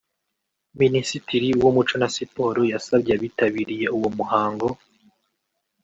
Minisitiri w’umuco na siporo yasabye abitabiriye uwo muhango